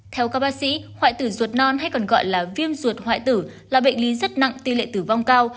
theo các bác sĩ hoại tử ruột non hay còn gọi là viêm ruột hoại tử là bệnh lý rất nặng tỷ lệ tử vong cao